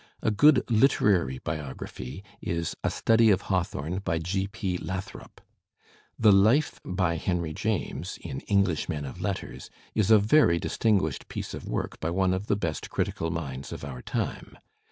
A good literary biography is "A Study of Hawthorne'* by G. P. Lathrop. The "life" by Henry James, in English Men of Letters^ is a very distinguished piece of work by one of the best critical minds of our time.